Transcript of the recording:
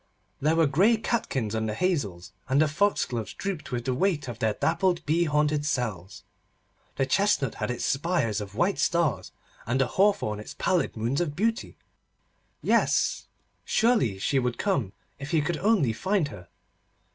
There were grey catkins on the hazels, and the foxgloves drooped with the weight of their dappled bee haunted cells. The chestnut had its spires of white stars, and the hawthorn its pallid moons of beauty. Yes: surely she would come if he could only find her!